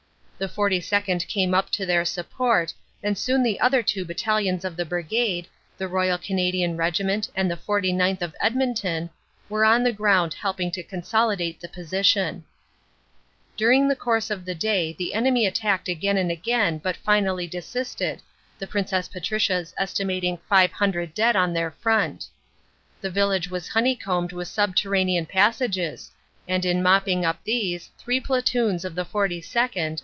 The 42nd. came up to their support, and soon the other two battalions of the Brigade, the Royal Canadian Regiment and the 49th. of Edmonton, were on the ground helping to consolidate the position. During the course of the day the enemy attacked again and OPERATIONS: AUG. 12 20 65 again but finally desisted, the P.P. L.I. estimating 500 dead on their front. The village was honeycombed with subterranean passages, and in mopping up these three platoons of the 42nd.